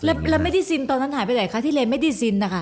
แล้วเมดิซินตอนนั้นหายไปไหนคะที่เรียนเมดิซิน